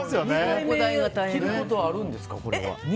２回目着ることはあるんですか？